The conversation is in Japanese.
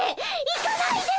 行かないで！